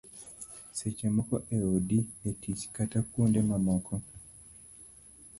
seche moko e odi, e tich kata kuonde mamoko